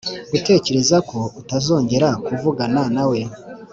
gutekereza ko utazongera kuvugana na we